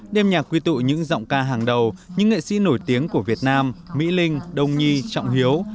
đêm nhạc quy tụ những giọng ca hàng đầu những nghệ sĩ nổi tiếng của việt nam mỹ linh đông nhi trọng hiếu